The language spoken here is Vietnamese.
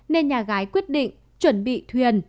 nên nhà gái quyết định chuẩn bị thuyền